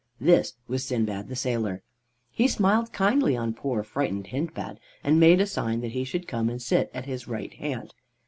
This was Sindbad the Sailor. He smiled kindly on poor frightened Hindbad, and made a sign that he should come and sit at his right hand.